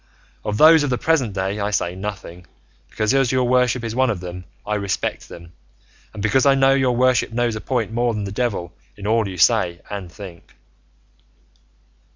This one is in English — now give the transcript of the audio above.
Of those of the present day I say nothing, because, as your worship is one of them, I respect them, and because I know your worship knows a point more than the devil in all you say and think."